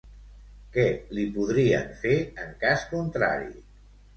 Què li podrien fer, en cas contrari?